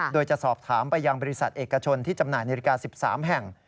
โดยจะสอบถามไปยังบริษัทเอกชนที่จำหน่ายนาฬิกา๑๓แห่ง